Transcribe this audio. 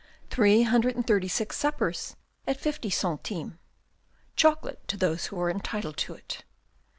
Three hundred and thirty six suppers at fifty centimes. Chocolate to those who are entitled to it.